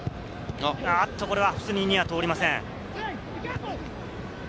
これはフスニには通りません。